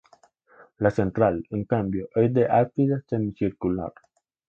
La central, en cambio, es de ábside semicircular.